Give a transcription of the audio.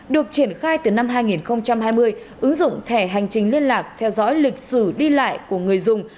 được triển khai từ năm hai nghìn hai mươi ứng dụng thẻ hành trình liên lạc theo dõi lịch sử đi lại của người dùng